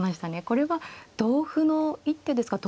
これは同歩の一手ですか。